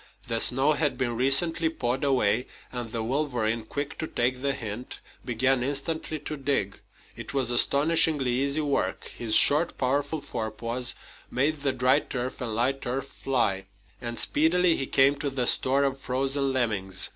The snow had been recently pawed away, and the wolverine, quick to take the hint, began instantly to dig. It was astonishingly easy work. His short, powerful forepaws made the dry turf and light earth fly, and speedily he came to the store of frozen lemmings.